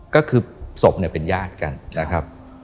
ก็คือศพเป็นญาติกันนะครับ